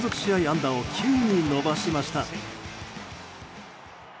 安打を９に伸ばしました。